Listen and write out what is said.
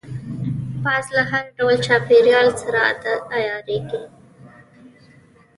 باز له هر ډول چاپېریال سره عیارېږي